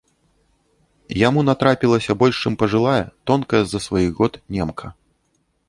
Яму натрапілася больш чым пажылая, тонкая з-за сваіх год, немка.